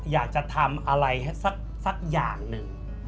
อยากจะทำอะไรสักอย่างหนึ่ง